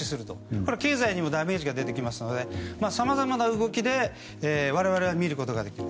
これ、経済にもダメージが出てきますのでさまざまな動きで我々は見ることができる。